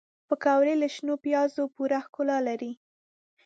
پکورې له شنو پیازو پوره ښکلا لري